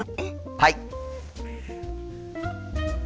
はい。